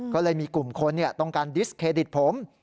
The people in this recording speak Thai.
ก็เลยมีกลุ่มคนต้องการดิสเครดิตผม